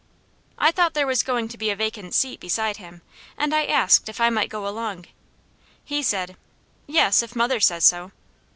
I thought there was going to be a vacant seat beside him, and I asked if I might go along. He said: "Yes, if mother says so."